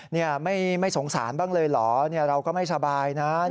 นี่ไม่สงสารบ้างเลยเหรอเราก็ไม่สบายนะ